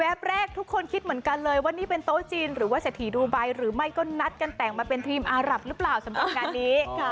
แรกทุกคนคิดเหมือนกันเลยว่านี่เป็นโต๊ะจีนหรือว่าเศรษฐีดูไบหรือไม่ก็นัดกันแต่งมาเป็นทีมอารับหรือเปล่าสำหรับงานนี้